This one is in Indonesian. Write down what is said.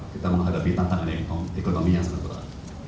kita menghadapi tantangan ekonomi yang sangat berat